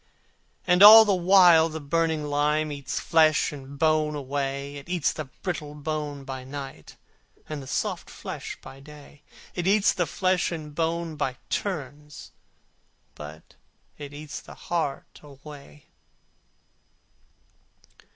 And all the while the burning lime Eats flesh and bone away, It eats the brittle bones by night, And the soft flesh by day, It eats the flesh and bone by turns, But it eats the heart alway.